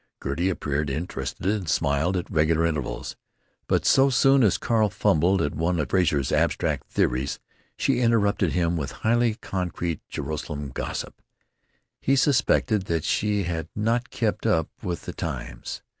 Gertie appeared interested, and smiled at regular intervals, but so soon as Carl fumbled at one of Frazer's abstract theories she interrupted him with highly concrete Joralemon gossip.... He suspected that she had not kept up with the times.